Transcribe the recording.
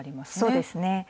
そうですね。